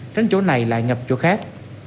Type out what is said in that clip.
tránh chỗ này lại ngập chỗ khác